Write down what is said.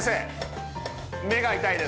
目が痛いです！